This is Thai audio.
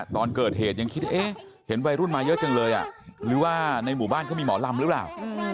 ตอนเกิดเหตุยังคิดเอ๊ะเห็นวัยรุ่นมาเยอะจังเลยหรือว่าในหมู่บ้านเขามีหมอลำหรือเปล่า